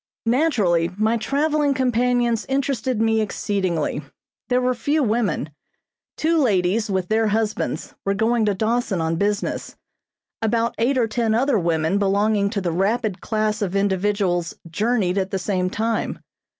Naturally, my traveling companions interested me exceedingly. There were few women. Two ladies with their husbands were going to Dawson on business. About eight or ten other women belonging to the rapid class of individuals journeyed at the same time.